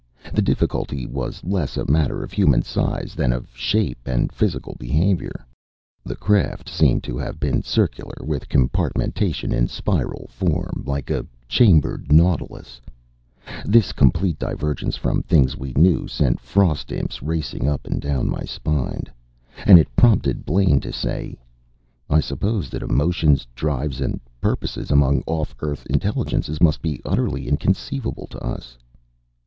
The difficulty was less a matter of human size than of shape and physical behavior. The craft seemed to have been circular, with compartmentation in spiral form, like a chambered nautilus. This complete divergence from things we knew sent frost imps racing up and down my spine. And it prompted Blaine to say: "I suppose that emotions, drives, and purposes among off Earth intelligences must be utterly inconceivable to us."